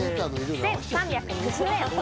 １３２０円。